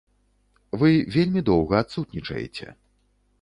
Вы вельмі доўга адсутнічаеце.